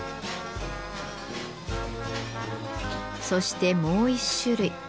そしてもう一種類。